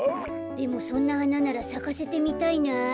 でもそんなはなならさかせてみたいなあ。